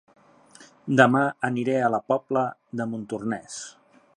Dema aniré a La Pobla de Montornès